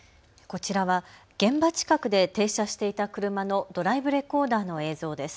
こちらは現場近くで停車していた車のドライブレコーダーの映像です。